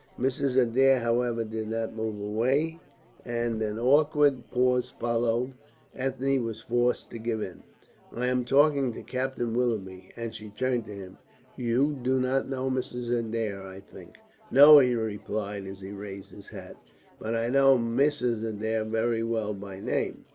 Mrs. Adair, however, did not move away, and an awkward pause followed. Ethne was forced to give in. "I was talking to Captain Willoughby," and she turned to him. "You do not know Mrs. Adair, I think?" "No," he replied, as he raised his hat. "But I know Mrs. Adair very well by name.